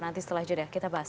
nanti setelah jeda kita bahas